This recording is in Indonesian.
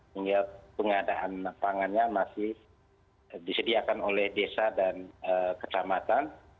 hingga pengadaan pangannya masih disediakan oleh desa dan kecamatan